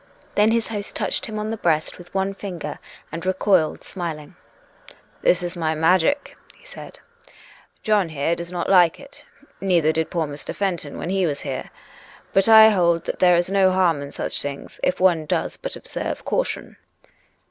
Then his host touched him on the breast with one finger, and recoiled, smiling. " This is my magic," he said. " John here does not like it; neither did poor Mr. Fenton when he was here; but I hold there is no harm in such things if one does but observe caution."